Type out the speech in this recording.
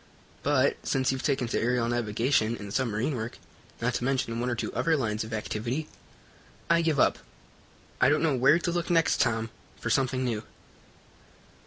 But, since you've taken to aerial navigation and submarine work, not to mention one or two other lines of activity, I give up. I don't know where to look next, Tom, for something new."